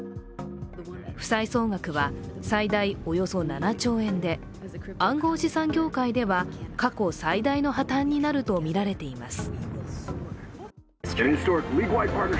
負債総額は最大およそ７兆円で暗号資産業界では過去最大の破綻になるとみられています。